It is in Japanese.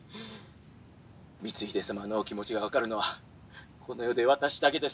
光秀様のお気持ちが分かるのはこの世で私だけです。